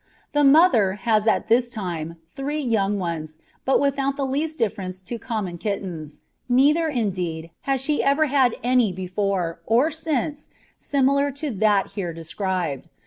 The Mother, has at this time (1813), three Young ones, but without the least Difference to common Kittens, neither, indeed, has she ever had any before, or since, similar to That here described.